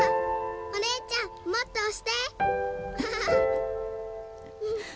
お姉ちゃんもっと押してアハハハハ。